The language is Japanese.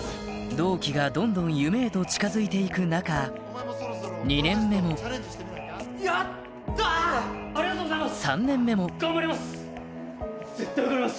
同期がどんどん夢へと近づいて行く中２年目も３年目も頑張ります！